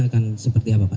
akan seperti apa pak